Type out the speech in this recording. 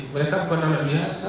mereka bukan anak biasa